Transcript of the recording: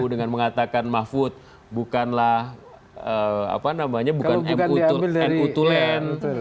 dengan mengatakan mahfud bukanlah bukan nu tulen